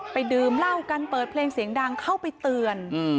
ดื่มเหล้ากันเปิดเพลงเสียงดังเข้าไปเตือน